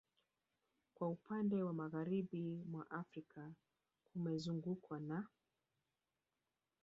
Kwa upande wa Magharibi mwa Afrika kumezungukwa na